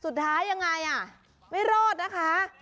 สุดท้ายยังไงอ่ะไม่รอดนะคะ